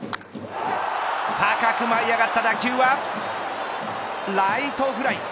高く舞い上がった打球はライトフライ。